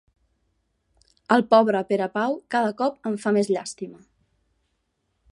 El pobre Perepau cada cop em fa més llàstima.